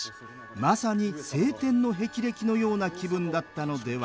まさに青天の霹靂のような気分だったのでは？